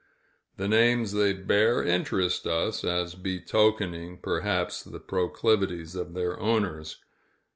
The names they bear interest us, as betokening, perhaps, the proclivities of their owners.